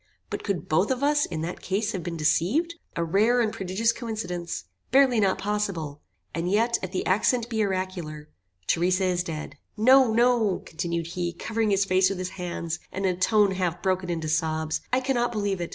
But could both of us in that case have been deceived? A rare and prodigious coincidence! Barely not impossible. And yet, if the accent be oracular Theresa is dead. No, no," continued he, covering his face with his hands, and in a tone half broken into sobs, "I cannot believe it.